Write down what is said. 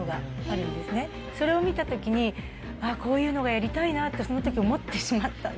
それを見た時にこういうのがやりたいなってその時思ってしまったんですね。